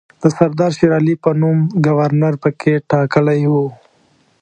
د سردار شېرعلي په نوم ګورنر پکې ټاکلی وو.